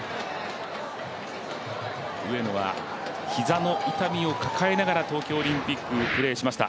上野は、膝の痛みを抱えながら東京オリンピックプレーしました。